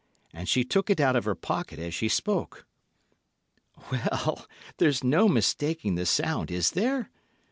And she took it out of her pocket as she spoke. "Well, there's no mistaking the sound, is there?"